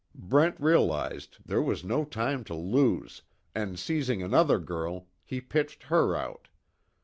Brent realized there was no time to lose, and seizing another girl, he pitched her out.